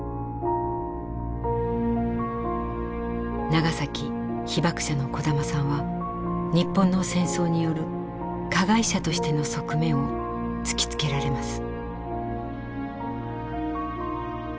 長崎・被爆者の小玉さんは日本の戦争による加害者としての側面を突きつけられます。